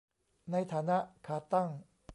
ในฐานะ 'ขาตั้ง'